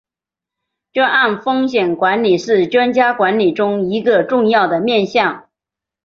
专案风险管理是专案管理中一个重要的面向。